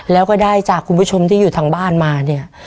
แล้วก็ได้จากคุณผู้ชมที่อยู่ทางบ้านมาเนี่ย